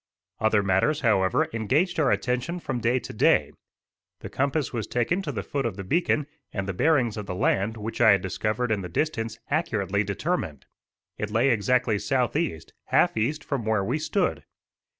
Other matters, however, engaged our attention from day to day. The compass was taken to the foot of the beacon, and the bearings of the land which I had discovered in the distance accurately determined. It lay exactly southeast, half east, from where we stood.